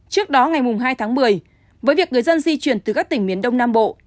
trước đó ngày hai tháng một mươi với việc người dân di chuyển từ các tỉnh miền đông nam bộ